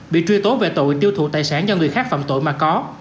bị truy tố về tội tiêu thụ tài sản do người khác phạm tội mà có